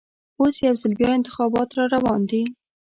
اوس یوځل بیا انتخابات راروان دي.